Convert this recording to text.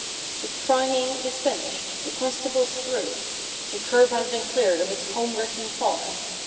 The "crying" is finished! The constable's through! The curb has been cleared of its home wrecking pawn!